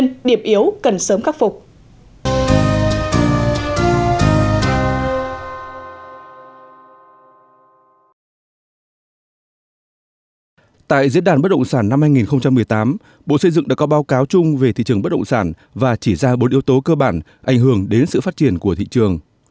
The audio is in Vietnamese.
năm hai nghìn một mươi tám bộ xây dựng đã có báo cáo chung về thị trường bất động sản và chỉ ra bốn yếu tố cơ bản ảnh hưởng đến sự phát triển của thị trường